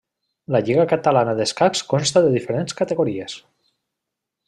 La Lliga Catalana d'Escacs consta de diferents categories.